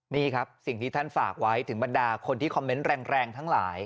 นี่ครับสิ่งที่ท่านฝากไว้ถึงบรรดาคนที่คอมเมนต์แรงทั้งหลาย